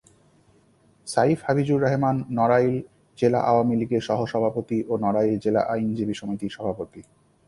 সাইফ হাফিজুর রহমান নড়াইল জেলা আওয়ামী লীগের সহসভাপতি ও নড়াইল জেলা আইনজীবী সমিতির সভাপতি।